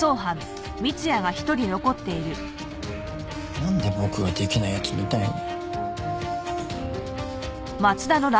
なんで僕ができない奴みたいに。